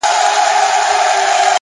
وخت د هرې پرېکړې شاهد وي!